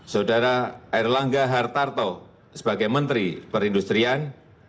saudara erlangga hartarto sebagai menteri perindustrian